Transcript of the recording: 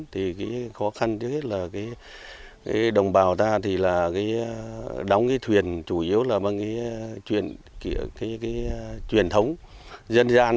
thì khó khăn nhất là đồng bào ta đóng thuyền chủ yếu là bằng truyền thống dân gian